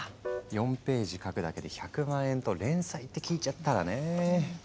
４ページ描くだけで１００万円と連載って聞いちゃったらね。